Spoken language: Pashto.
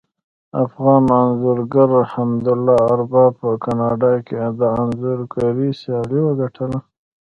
افغان انځورګر حمدالله ارباب په کاناډا کې د انځورګرۍ سیالي وګټله